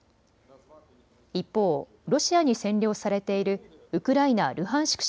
一方、ロシアに占領されているウクライナ・ルハンシク